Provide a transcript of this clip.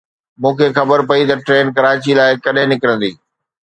مون کي خبر پئي ته ٽرين ڪراچي لاءِ ڪڏهن نڪرندي.